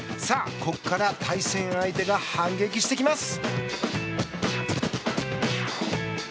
ここから対戦相手が反撃してきます。